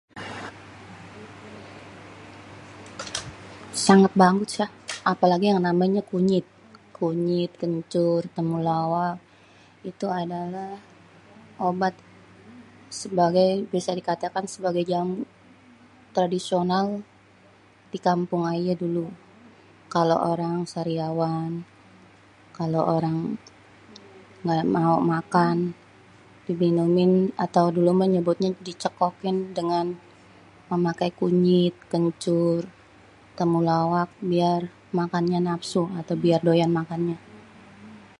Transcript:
Sangat bagus ya apalagi yang namanya kunyit, kunyit, kencur, tumulawak. Itu adalah obat sebagai bisa dikatakan sebagai jamu tradisional di kampung aye dulu. Kalo orang sariawan, kalo orang gamau makan, diminumin atau dulu mah nyebutnye dicekokin dengan memakai kunyit kencur tumulawak, biar makannya nafsu atau makannya doyan lah.